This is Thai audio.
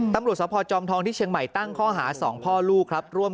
ตำรวจสภจอมทองที่เชียงใหม่ตั้งข้อหา๒พ่อลูกครับ